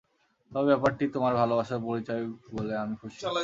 তবে ব্যাপারটি তোমার ভালবাসার পরিচায়ক বলে আমি খুশী।